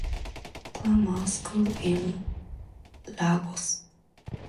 Grammar School, in Lagos.